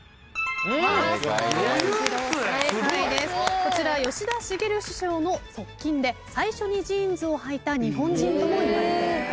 こちら吉田茂首相の側近で最初にジーンズをはいた日本人ともいわれています。